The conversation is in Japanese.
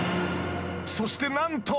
［そして］